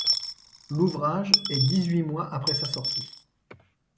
L'ouvrage est dix-huit mois après sa sortie.